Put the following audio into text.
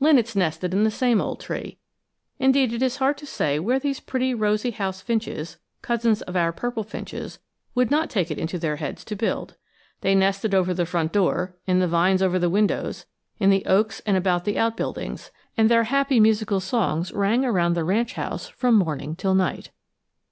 Linnets nested in the same old tree. Indeed, it is hard to say where these pretty rosy house finches, cousins of our purple finches, would not take it into their heads to build. They nested over the front door, in the vines over the windows, in the oaks and about the outbuildings, and their happy musical songs rang around the ranch house from morning till night.